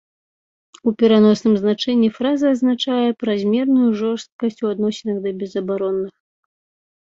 У пераносным значэнні фраза азначае празмерную жорсткасць у адносінах да безабаронных.